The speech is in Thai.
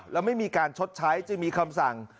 แล้วไม่มีการชดใช้จึงมีคำสั่ง